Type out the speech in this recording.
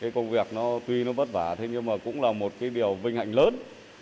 công việc tuy vất vả nhưng cũng là một điều vinh hạnh lớn